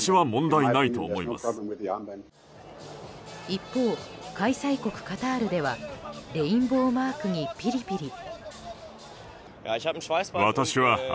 一方、開催国カタールではレインボーマークにピリピリ。